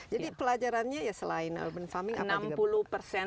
jadi pelajarannya ya selain urban farming apa juga